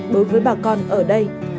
đối với bà con ở đây